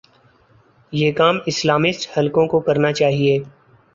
یہ کام اسلامسٹ حلقوں کوکرنا چاہیے۔